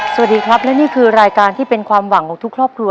สวัสดีครับและนี่คือรายการที่เป็นความหวังของทุกครอบครัว